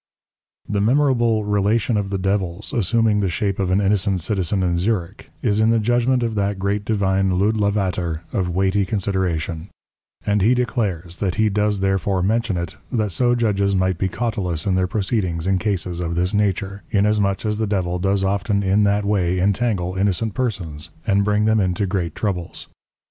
_ The memorable Relation of the Devils assuming the shape of an innocent Citizen in Zurick, is in the Judgment of that great Divine Lud Lavater, of weighty Consideration: And he declares, that he does therefore mention it, that so Judges might be cautelous in their Proceedings in Cases of this nature, inasmuch as the Devil does often in that way intangle innocent Persons, and bring them into great Troubles.